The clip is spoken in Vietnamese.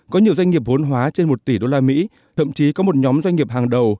có nhiều doanh nghiệp vốn hóa trên một tỷ usd thậm chí có một nhóm doanh nghiệp hàng đầu